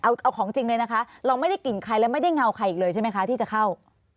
เอาของจริงเลยนะคะเราไม่ได้กลิ่นใครและไม่ได้เงาใครอีกเลยใช่ไหมคะที่จะเข้า